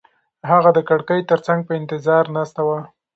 هغه د کړکۍ تر څنګ په انتظار ناسته وه.